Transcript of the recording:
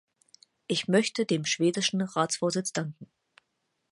Ich möchte dem schwedischen Ratsvorsitz danken.